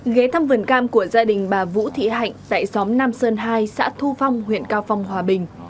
ghé thăm vườn cam của gia đình bà vũ thị hạnh tại xóm nam sơn hai xã thu phong huyện cao phong hòa bình